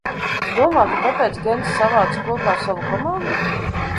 Tu domā, ka tāpēc Gencs savāca kopā savu komandu?